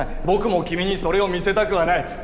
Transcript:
僕も君にそれを見せたくはない。